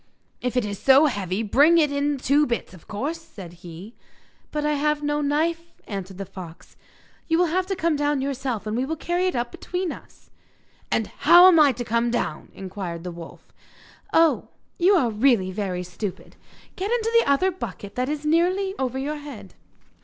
'If it is so heavy bring it in two bits, of course,' said he. 'But I have no knife,' answered the fox. 'You will have to come down yourself, and we will carry it up between us.' 'And how am I to come down?' inquired the wolf. 'Oh, you are really very stupid! Get into the other bucket that is nearly over your head.